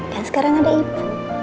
dan sekarang ada ibu